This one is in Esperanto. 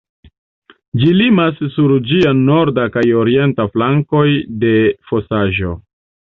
Ĝi limas sur ĝia norda kaj orienta flankoj de fosaĵo.